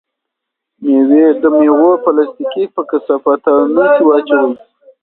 د مېوو پوستکي په کثافاتدانۍ کې واچوئ.